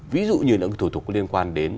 ví dụ như những thủ tục liên quan đến